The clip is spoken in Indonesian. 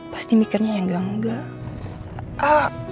pasti mikirnya enggak enggak